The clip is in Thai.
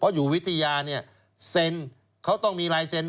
เพราะอยู่วิทยานี่เซ็นเขาต้องมีรายเซ็น